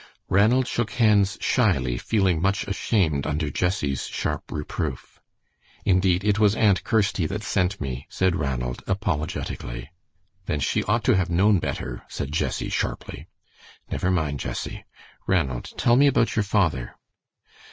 Ranald shook hands shyly, feeling much ashamed under Jessie's sharp reproof. "Indeed, it was Aunt Kirsty that sent me," said Ranald, apologetically. "Then she ought to have known better," said Jessie, sharply. "Never mind, Jessie. Ranald, tell me about your father."